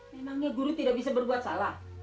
memangnya guru tidak bisa berbuat salah